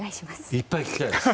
いっぱい聞きたいです。